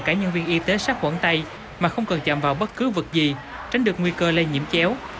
cả nhân viên y tế sát quẩn tay mà không cần chạm vào bất cứ vật gì tránh được nguy cơ lây nhiễm chéo